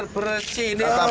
persih harus bersih